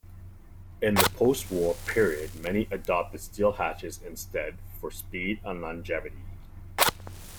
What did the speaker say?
In the postwar period many adopted steel hatches instead for speed and longevity.